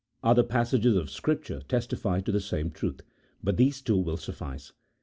Other passages of Scripture testify to the same truth, but these two will suffice.